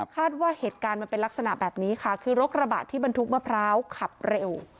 ว่าเหตุการณ์มันเป็นลักษณะแบบนี้ค่ะคือรถกระบะที่บรรทุกมะพร้าวขับเร็ว